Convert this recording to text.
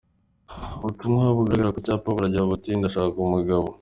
Ubutumwa bugaragara ku cyapa buragira buti “Ndashaka umugabo.